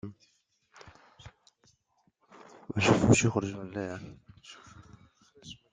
L'historien et journaliste Serge Tignères en est le créateur et le présentateur.